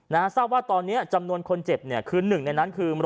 ทราบว่าตอนนี้จำนวนคนเจ็บเนี่ยคือหนึ่งในนั้นคือ